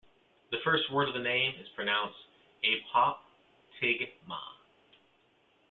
The first word of the name is pronounced a-pop-tig-ma.